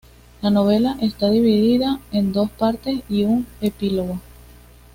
La novela está dividida en dos partes y un epílogo.